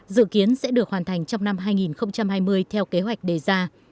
dự kiến sẽ được hoàn thành trong năm hai nghìn hai mươi theo kế hoạch đề ra